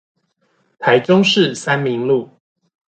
台中市三民路